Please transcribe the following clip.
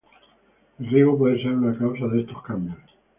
El riego puede ser una causa de estos cambios.